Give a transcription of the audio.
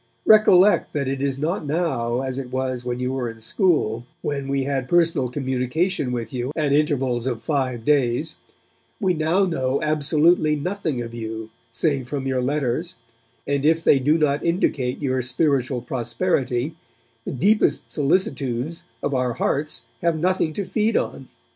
Recollect that it is not now as it was when you were at school, when we had personal communication with you at intervals of five days we now know absolutely nothing of you, save from your letters, and if they do not indicate your spiritual prosperity, the deepest solicitudes of our hearts have nothing to feed on.